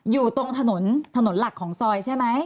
อยู่ตรงถนนถนนหลักของซอยใช่ไหม